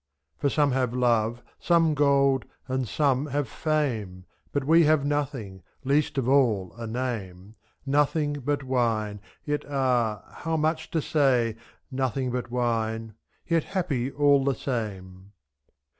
For some have love, some gold, and some have fame. But we have nothing, least of all a name, ^ Nothing but wine, yet ah! how much to say. Nothing but wine — yet happy all the same.